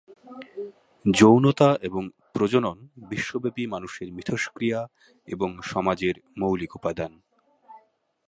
যৌনতা এবং প্রজনন বিশ্বব্যাপী মানুষের মিথস্ক্রিয়া এবং সমাজের মৌলিক উপাদান।